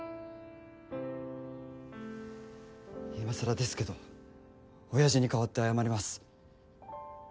いまさらですけど親父に代わって謝ります。